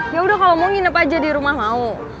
yaudah kalau mau nginep aja di rumah mau